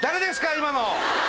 今の。